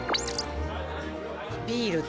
ビールと。